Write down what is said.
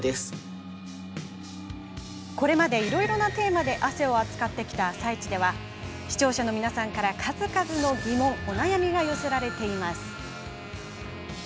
これまで、いろいろなテーマで汗を扱ってきた「あさイチ」には視聴者の皆さんから、数々の疑問お悩みが寄せられています。